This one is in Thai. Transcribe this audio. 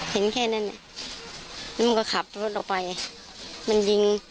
เห็นแค่นั้นแล้วมันก็ขับรถออกไปมันยิง